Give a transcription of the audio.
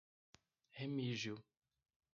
Remígio